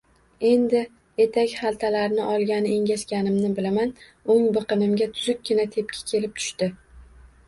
Endi etak-xaltalarni olgani engashganimni bilaman: oʻng biqinimga tuzukkina tepki kelib tushdi.